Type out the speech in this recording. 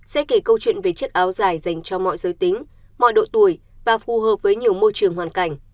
sẽ kể câu chuyện về chiếc áo dài dành cho mọi giới tính mọi độ tuổi và phù hợp với nhiều môi trường hoàn cảnh